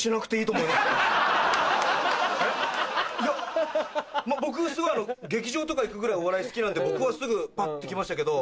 いや僕すごい劇場とか行くぐらいお笑い好きなんで僕はすぐパッてきましたけど。